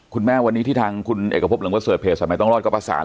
คุณแม่วันนี้ที่ทางคุณเอกพบเหลืองประเสริฐเพจสายใหม่ต้องรอดก็ประสาน